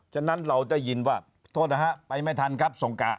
ฉะนั้นเราได้ยินว่าโทษนะฮะไปไม่ทันครับสงกะ